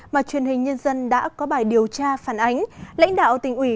mà truyền hình nhân dân đã có bài điều tra phản ánh lãnh đạo tỉnh ủy